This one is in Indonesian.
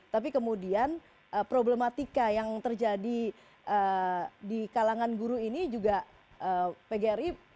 tapi kemudian problematika yang terjadi di kalangan guru ini juga pgri selama ini sempat